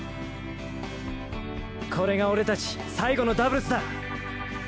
これが俺たち最後のダブルスだ！